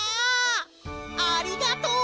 ありがとう！